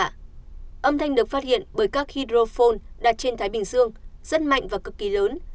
âm thanh được phát hiện bởi các hydrophone đặt trên thái bình dương rất mạnh và cực kỳ lớn